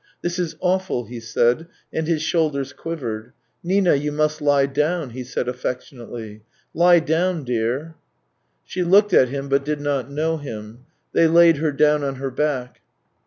" This is awful !" he said, and his shoulders 244 THE TALES OF TCHEHOV quivered. " Nina, you must lie down," he said affectionately. " Lie down, dear." She looked at him, but did not know him. ... They laid her down on her back.